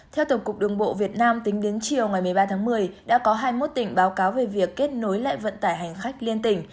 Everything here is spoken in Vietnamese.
theo tổng cục đường bộ việt nam tính đến chiều ngày một mươi ba tháng một mươi đã có hai mươi một tỉnh báo cáo về việc kết nối lại vận tải hành khách liên tỉnh